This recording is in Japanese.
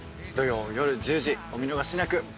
土曜よる１０時お見逃しなく。